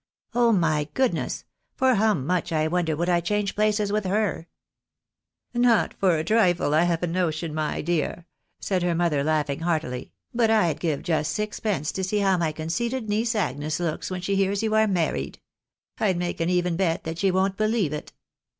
" Oh, my goodness ! For how much, I wonder, would I change places with her ?"" Not for a trifle, I have a notion, my dear," said her mother, laughing heartily ;" but I'd give just sixpence to see how my con ceited niece Agnes looks, when she hears you are married. I'd Snake an even bet that she won't believe it.